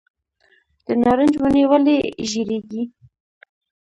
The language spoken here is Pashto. د نارنج ونې ولې ژیړیږي؟